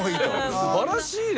すばらしいね。